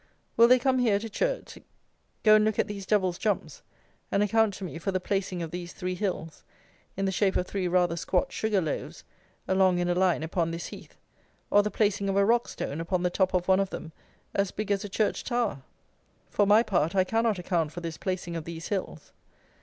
Will they come here to Churt, go and look at these "Devil's Jumps," and account to me for the placing of these three hills, in the shape of three rather squat sugar loaves, along in a line upon this heath, or the placing of a rock stone upon the top of one of them as big as a church tower? For my part, I cannot account for this placing of these hills.